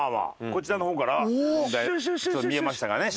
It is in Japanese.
こちらの方からは見えましたがね